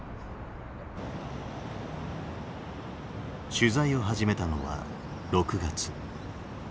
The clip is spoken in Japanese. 取材を始めたのは６月。